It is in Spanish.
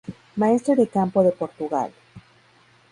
Maestre de Campo de Portugal.